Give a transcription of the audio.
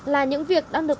là những việc đang được